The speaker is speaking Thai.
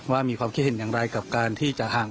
มีความคิดเห็นอย่างไรกับการที่จะห่าง